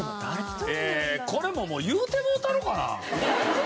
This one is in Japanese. これももう言うてもうたろうかな？